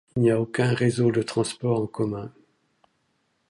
Il n'y a aucun réseau de transports en commun.